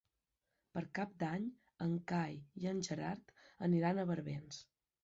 Per Cap d'Any en Cai i en Gerard aniran a Barbens.